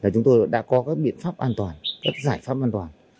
chúng tôi đã có các biện pháp an toàn các giải pháp an toàn